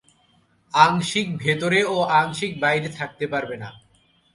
আংশিক ভেতরে ও আংশিক বাইরে থাকতে পারবে না।